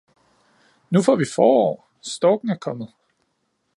Nu får vi forår, storken er kommet